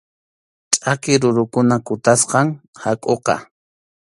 Ch’aki rurukuna kutasqam hakʼuqa.